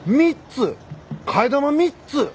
替え玉３つ！？